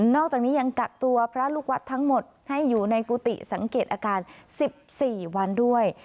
อกจากนี้ยังกักตัวพระลูกวัดทั้งหมดให้อยู่ในกุฏิสังเกตอาการ๑๔วันด้วย